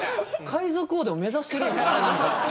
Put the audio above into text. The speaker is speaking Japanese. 海賊王でも目指してるんですかね何か。